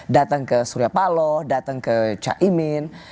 datang ke surya paloh datang ke caimin